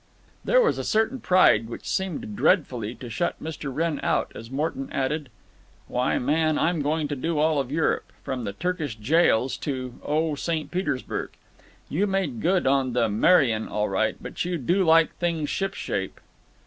There was a certain pride which seemed dreadfully to shut Mr. Wrenn out as Morton added: "Why, man, I'm going to do all of Europe. From the Turkish jails to—oh, St. Petersburg…. You made good on the Merian, all right. But you do like things shipshape."